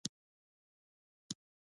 د بیور پوستکی د پیسو ارزښت درلود.